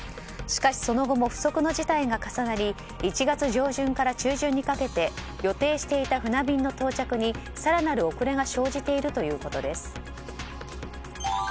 しかし、その後も不測の事態が重なり１月上旬から中旬にかけて予定していた船便の到着に更なる遅れが生じているということです。